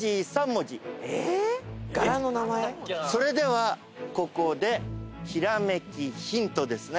それではここでひらめきヒントですね。